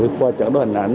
qua chợ đồ hình ảnh